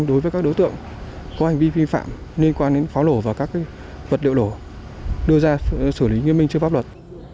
đối với các đối tượng có hành vi vi phạm liên quan đến pháo nổ và các vật liệu nổ đưa ra xử lý nghiêm minh trước pháp luật